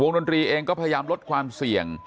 ดนตรีเองก็พยายามลดความเสี่ยง